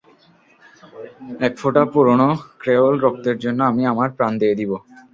এক ফোঁটা পুরনো ক্রেওল রক্তের জন্য আমি আমার প্রাণ দিয়ে দিব!